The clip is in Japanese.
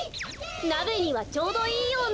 なべにはちょうどいいような。